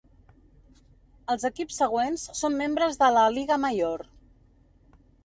Els equips següents són membres de la "Liga Mayor".